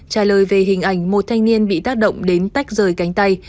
trả lời về hình ảnh một thanh niên bị tác động đến tách rời cánh tay